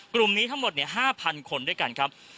กลุ่มนี้ทั้งหมด๕๐๐คนด้วยกันครับ